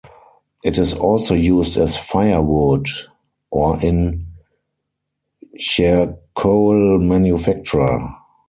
It is also used as firewood, or in charcoal manufacture.